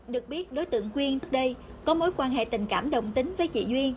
được biết đối tượng quyên đây có mối quan hệ tình cảm đồng tính với chị duyên